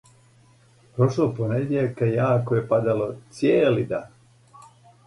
Прошлог понедјељка јако је падало цијели дан.